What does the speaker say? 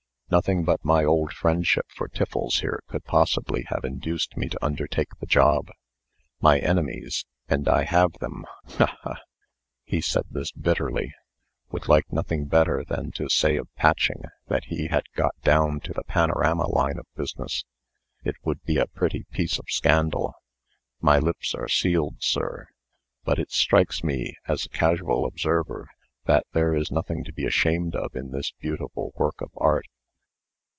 "Nothing but my old friendship for Tiffles here could possibly have induced me to undertake the job. My enemies and I have them, ha! ha!" (he said this bitterly) "would like nothing better to say of Patching, than that he had got down to the panorama line of business. It would be a pretty piece of scandal." "My lips are sealed, sir. But it strikes me, as a casual observer, that there is nothing to be ashamed of in this beautiful work of art."